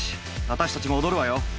私たちも踊るわよ！